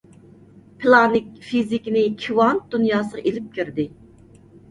پىلانىك فىزىكىنى كىۋانت دۇنياسىغا ئېلىپ كىردى.